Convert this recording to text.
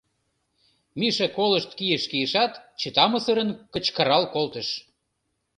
Миша колышт кийыш-кийышат, чытамсырын кычкырал колтыш: